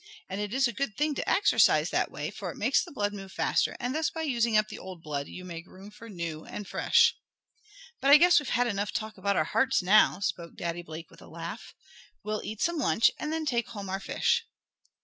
And it is a good thing to exercise that way, for it makes the blood move faster, and thus by using up the old blood, you make room for new, and fresh. "But I guess we've had enough talk about our hearts now," spoke Daddy Blake with a laugh. "We'll eat some lunch and then take home our fish."